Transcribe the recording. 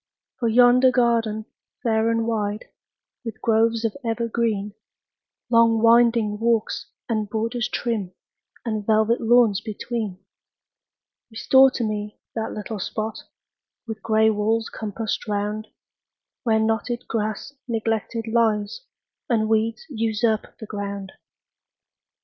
For yonder garden, fair and wide, With groves of evergreen, Long winding walks, and borders trim, And velvet lawns between; Restore to me that little spot, With gray walls compassed round, Where knotted grass neglected lies, And weeds usurp the ground.